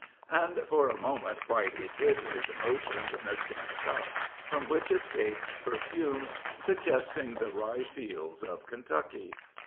And for a moment Whitey hid his emotions in a tin cup, from which escaped perfumes suggesting the rye fields of Kentucky.